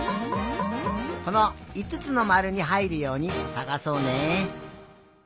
このいつつのまるにはいるようにさがそうね。